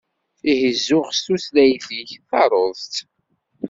Ihi zuxx s tutlayt-ik, taruḍ-tt!